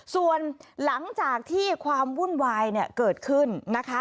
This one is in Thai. ส่วนหลังจากที่ความวุ่นวายเนี่ยเกิดขึ้นนะคะ